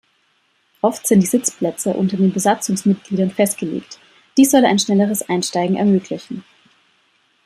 Oft sind die Sitzplätze unter den Besatzungsmitgliedern festgelegt; dies soll ein schnelleres Einsteigen ermöglichen.